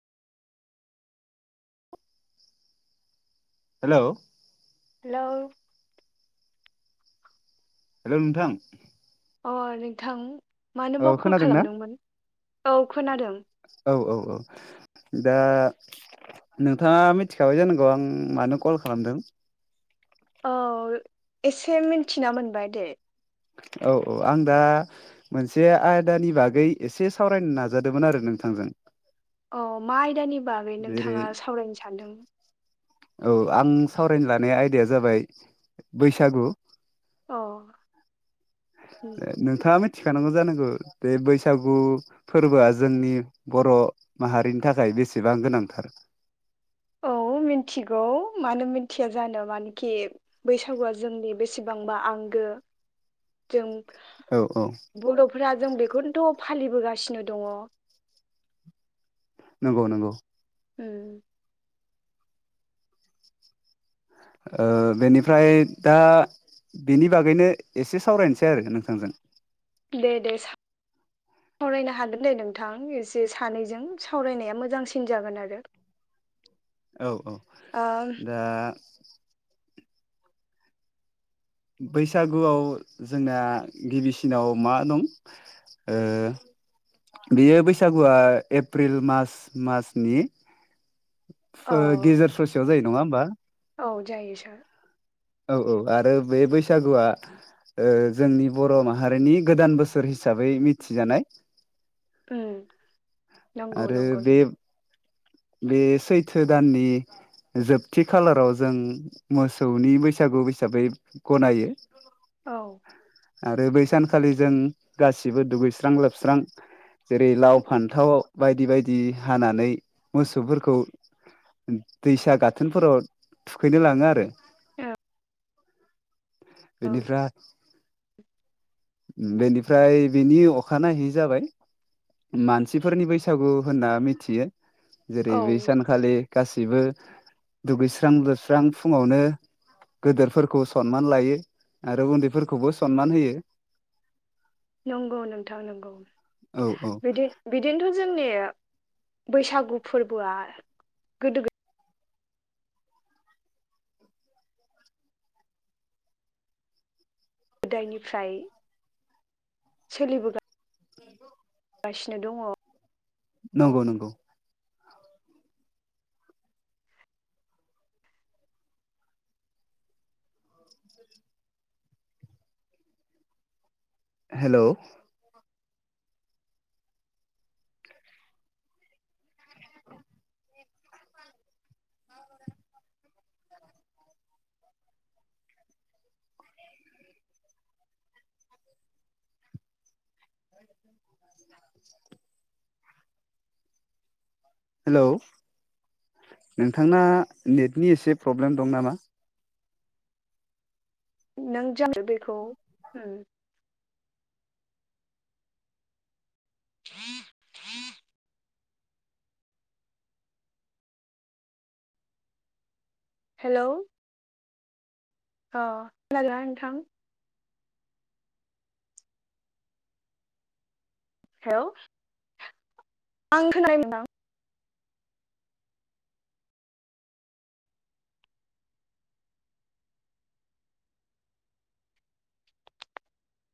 Hello hello. Hello नोंथां अ नोंथां औ मानोबाव कल खोनादोंना खालामदोंमोन औ खोनादों। औ औ औ दा नोंथाङा मिथिखाबाय जानांगौ आं मानो कल खालामदों? औ एसे मिन्थिना मोनबाय दे। औ औ आं दा मोनसे आयदानि बागै एसे सावरायनो नाजादोंमोन आरो नोंथांजों। औ मा आयदानि बागै जेरै नोंथाङा सावरायनो सानदों? औ आं सावरायनो लानाय आयदाया जाबाय बैसागु। अ उम। नोंथाङा मि थिखानांगौ जानांगौ बे बैसागु फोर्बोआ जोंनि बर' माहारिनि थाखाय बेसेबां गोनांथार। औ मिन्थिगौ मानो मिथिया जानो मानोखि बैसागुआ जोंनि बेसेबांबा आंगो जों औ औ बर'फोरा जों बेखौनोथ' फालिबोगासिनो दङ। नंगौ नंगौ। ओ ओ बेनिफ्राय दा बेनि बागैनो एसे सावरायनोसै आरो नोंथांजों। दे दे [inaudible] सावरायनो हागोन दे नोंथां एसे सानैजों सावरायनाया मोजांसिन जागोन आरो। औ औ। ओ दा बैसागुआव जोंना गिबिसिनाव मा दं ओ बेयो बैसागुआ एप्रिल मास मासनि फो औ गेजेर ससेयाव जायो। नङा होमबा? औ जायो सार। औ औ आरो बे बैसागुआ ओ जोंनि बर' माहारिनि गोदान बोसोर हिसाबै मिथिजानाय उम नंगौ आरो नंगौ बे नोंथां। बे सैथो दाननि जोबथि खालाराव जों मोसौनि बैसागु हिसाबै गनायो। औ आरो बै सानखालि जों गासिबो दुगैस्रां लोबस्रां जेरै लाव फान्थाव बायदि बायदि हानानै मोसौफोरखौ दैसा गाथोनफोराव थुखैनो लाङो आरो औ [inaudible] बेनिफ्राय बेनिफ्राय बेनि अखानायहै जाबाय मानसिफोरनि बैसागु होनना मिथि जेरै औ बिसानखालि गासैबो दुगैस्रां लोबस्रां फुङावनो गोदोरफोरखौ सनमान लायो आरो उन्दैफोरखौबो सनमान होयो नंगौ नोंथां नंगौ औ औ बिदि बिदिनोथ' जोंनिया बैसागु फोरबोआ गोदो गोदायनिफ्राय सोलिबोगा गासिनो दङ नंगौ नंगौ हेलौ हेलौ नोंथांना नेटनि एसे प्रब्लेम दं नामा नों ज बेखौ उम [unintelligible] हेलौ अह खोनादोंना नोंथां हेलौ [inaudible]